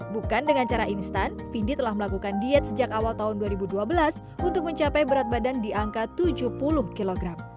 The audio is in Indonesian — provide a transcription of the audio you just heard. bukan dengan cara instan vindi telah melakukan diet sejak awal tahun dua ribu dua belas untuk mencapai berat badan di angka tujuh puluh kg